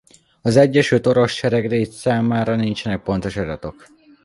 Az egyesült orosz sereg létszámára nincsenek pontos adatok.